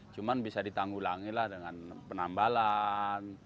cuma bisa ditanggul lagi lah dengan penambalan